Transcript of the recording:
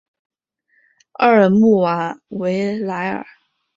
奥尔穆瓦维莱尔。